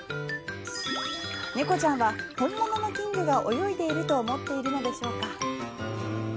猫ちゃんは本物の金魚が泳いでいると思っているのでしょうか。